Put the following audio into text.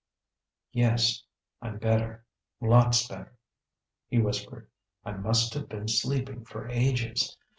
"Yes, I'm better, lots better," he whispered. "I must have been sleeping for ages.